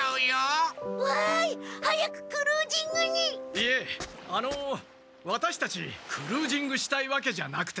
いえあのワタシたちクルージングしたいわけじゃなくて。